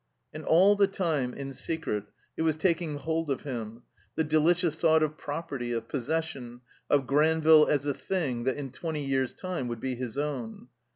And all the time, in secret, it was taking hold of him, the delicious thought of property, of possession, of Granville as a thing that in twenty years* time would be his own.